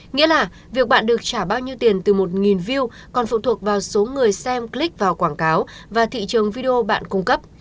nghĩa là việc bạn được trả bao nhiêu tiền từ một view còn phụ thuộc vào số người xem click vào quảng cáo và thị trường video bạn cung cấp